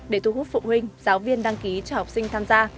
để thu hút phụ huynh giáo viên đăng ký cho học sinh tham gia